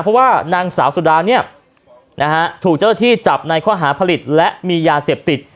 เพราะว่านางสาวสุดาเนี่ยนะฮะถูกเจ้าหน้าที่จับในข้อหาผลิตและมียาเสพติด